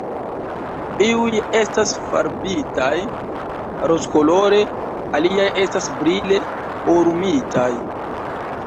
Iuj estas farbitaj rozkolore, aliaj estas brile orumitaj.